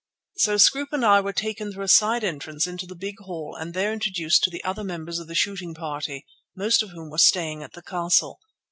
So Scroope and I were taken through a side entrance into the big hall and there introduced to the other members of the shooting party, most of whom were staying at the castle.